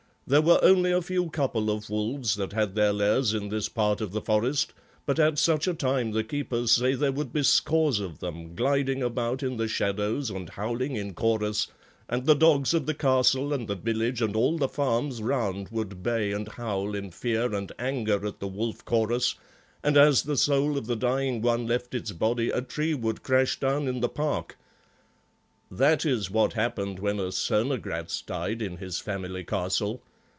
There were only a few couple of wolves that had their lairs in this part of the forest, but at such a time the keepers say there would be scores of them, gliding about in the shadows and howling in chorus, and the dogs of the castle and the village and all the farms round would bay and howl in fear and anger at the wolf chorus, and as the soul of the dying one left its body a tree would crash down in the park. That is what happened when a Cernogratz died in his family castle.